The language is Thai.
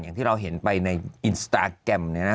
อย่างที่เราเห็นไปในอินสตาแกรมเนี่ยนะ